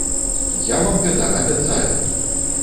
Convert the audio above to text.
Я вам гэта абяцаю!